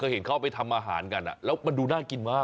เห็นเขาไปทำอาหารกันแล้วมันดูน่ากินมาก